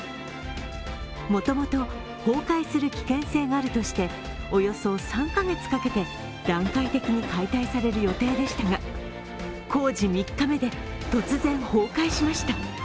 もともと崩壊する危険性があるとしておよそ３カ月かけて段階的に解体される予定でしたが工事３日目で突然崩壊しました。